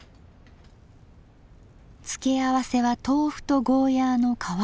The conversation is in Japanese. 付け合わせは豆腐とゴーヤーの変わり漬物で。